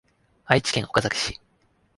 愛知県岡崎市